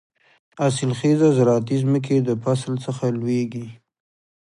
حاصل خېزه زراعتي ځمکې د فصل څخه لوېږي.